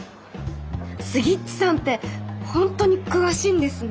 スギッチさんって本当に詳しいんですね。